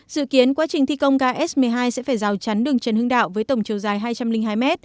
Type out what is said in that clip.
dự kiến quá trình thi công ga s một mươi hai sẽ phải rào chắn đường trần hưng đạo với tổng chiều dài hai trăm linh hai m